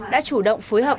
đã chủ động phối hợp